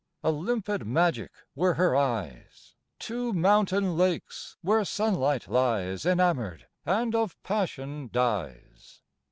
A limpid magic were her eyes, Two mountain lakes, where sunlight lies Enamoured, and of passion dies.